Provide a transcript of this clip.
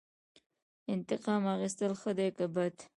انتقام اخیستل ښه دي که بد؟